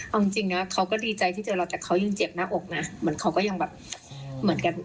เอาจริงนะเขาก็ดีใจที่เจอเราแต่เขายังเจ็บหน้าอกนะเหมือนเขาก็ยังแบบเหมือนกัน